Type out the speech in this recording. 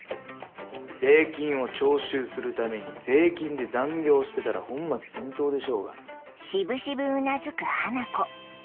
税金を徴収するために税金で残業してたら本末転倒でしょうが。